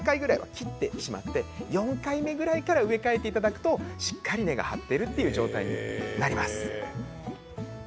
切って４回目ぐらいから植え替えていただくとしっかり根っこがはっているという状態になります。